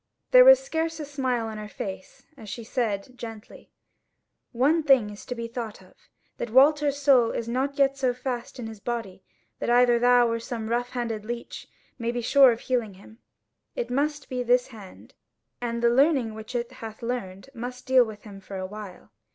There was scarce a smile on her face as she said gently: "One thing is to be thought of, that Walter's soul is not yet so fast in his body that either thou or some rough handed leech may be sure of healing him; it must be this hand, and the learning which it hath learned which must deal with him for a while."